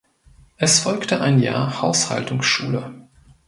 Es folgte ein Jahr Haushaltungsschule.